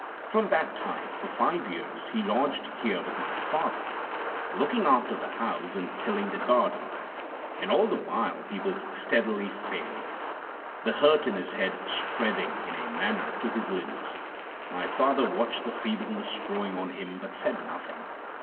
From that time for five years he lodged here with my father, looking after the house and tilling the garden. And all the while he was steadily failing; the hurt in his head spreading, in a manner, to his limbs. My father watched the feebleness growing on him, but said nothing.